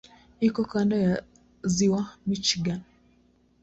Iko kando ya Ziwa Michigan.